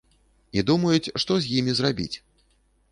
І думаюць, што з імі зрабіць.